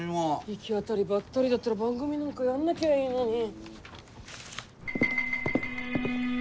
行き当たりばったりだったら番組なんかやんなきゃいいのに。